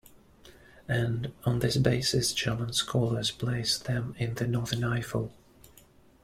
And "on this basis German scholars place them in the northern Eifel".